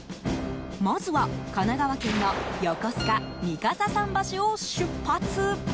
まずは、神奈川県の横須賀三笠桟橋を出発。